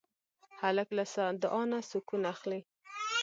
هلک له دعا نه سکون اخلي.